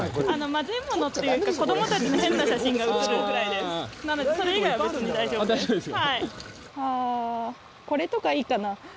まずいものっていうか子供たちの変な写真が映るぐらいですなのでそれ以外は別に大丈夫です。